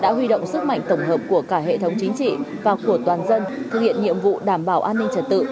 đã huy động sức mạnh tổng hợp của cả hệ thống chính trị và của toàn dân thực hiện nhiệm vụ đảm bảo an ninh trật tự